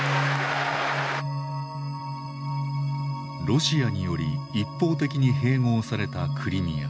ロシアにより一方的に併合されたクリミア。